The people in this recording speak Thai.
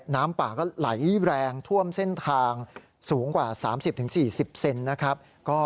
น้ำป่าก็ไหลแรงท่วมเส้นทางสูงกว่า๓๐๔๐เซนนะครับ